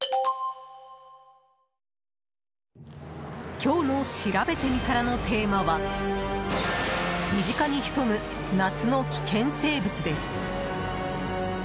今日のしらべてみたらのテーマは身近に潜む夏の危険生物です。